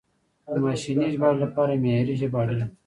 د ماشیني ژباړې لپاره معیاري ژبه اړینه ده.